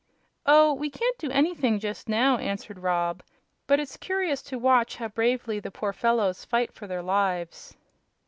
"Oh, we can't do anything just now," answered Rob. "But it's curious to watch how bravely the poor fellows fight for their lives."